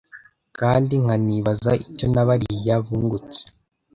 kandi nkanibaza icyo na bariya bungutse